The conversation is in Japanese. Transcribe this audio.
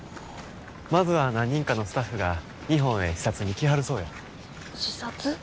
まずは何人かのスタッフが日本へ視察に来はるそうや。視察？